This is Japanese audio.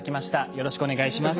よろしくお願いします。